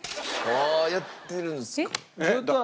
ああやってるんですか。